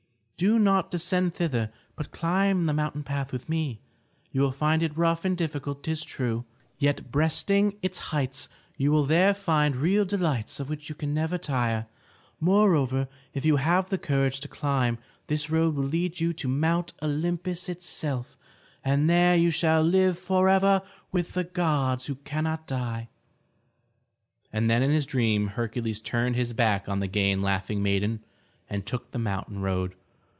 Do not descend thither, but climb the mountain path with me. You will find it rough and difficult, 'tis true. Yet, breasting its heights, you will there find real delights of which you can never tire. Moreover, if you have the courage to climb, this road will lead you to Mt. Olympus it self and there you shall live forever with the gods who cannot die." And then in his dream Hercules turned his back on the gay and laughing maiden and took the mountain road.